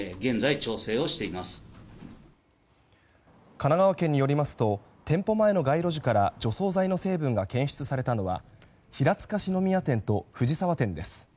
神奈川県によりますと店舗前の街路樹から除草剤の成分が検出されたのは平塚四之宮店と藤沢店です。